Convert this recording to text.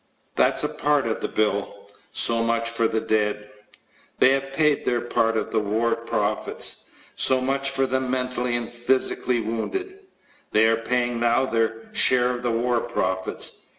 That's a part of the bill. So much for the dead they have paid their part of the war profits. So much for the mentally and physically wounded they are paying now their share of the war profits.